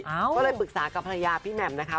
ก็เลยปรึกษากับภรรยาพี่แหม่มนะคะ